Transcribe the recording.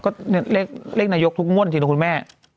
ก็เลขนายกทุกงวดสินะคุณแม่